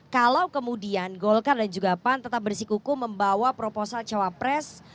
kalau kemudian golkar dan juga pan tetap bersikuku membawa proposal cawapres